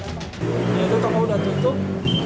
ya itu toko sudah tutup kemudian sudah rampet lah